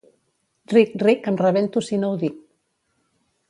Ric, ric, em rebento si no ho dic.